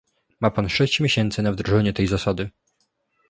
Ma pan sześć miesięcy na wdrożenie tej zasady